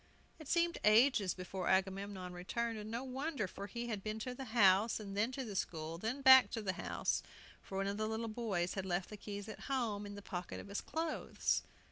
It seemed ages before Agamemnon returned, and no wonder; for he had been to the house, then to the school, then back to the house, for one of the little boys had left the keys at home, in the pocket of his clothes.